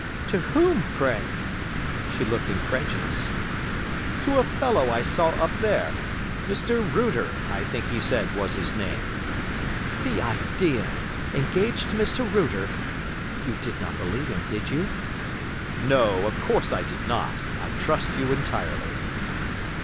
To whom, pray?" She looked incredulous. "To a fellow I saw up there—Mr. 'Router', I think he said was his name." "The idea! Engaged to Mr. Router! You did not believe him, did you?" "No, of course I did not; I trust you entirely."